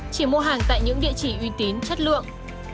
chỉ mua hàng tại những địa chỉ uy tín chất lượng